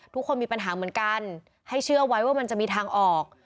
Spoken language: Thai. ทุกคนมีปัญหาเหมือนกันให้เชื่อไว้ว่ามันจะมีทางออก